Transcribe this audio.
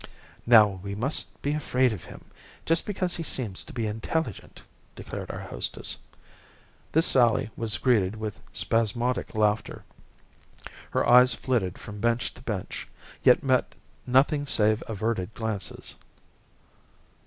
"Now we mustn't be afraid of him, just because he seems to be intelligent," declared our hostess. This sally was greeted with spasmodic laughter. Her eyes flitted from bench to bench, yet met nothing save averted glances.